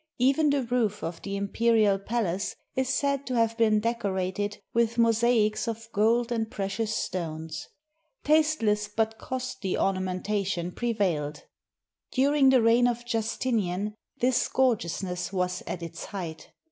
Even the roof of the imperial palace is said to have been decorated with mosaics of gold and precious stones. Tasteless but costly ornamentation prevailed. Dur ing the reign of Justinian, this gorgeousness was at its height.